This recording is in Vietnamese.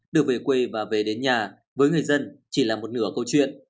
được về quê và về đến nhà với người dân chỉ là một nửa câu chuyện